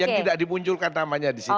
yang tidak dimunculkan namanya disini